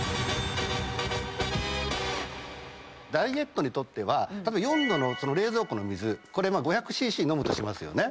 ダイエットにとって４℃の冷蔵庫の水５００ｃｃ飲むとしますよね。